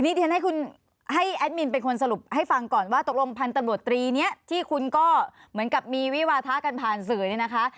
เดี๋ยวฉันให้คุณให้แอดมินเป็นคนสรุปให้ฟังก่อนว่าตกลงพันธุ์ตำรวจตรีนี้ที่คุณก็เหมือนกับมีวิวาทะกันผ่านสื่อเนี่ยนะคะ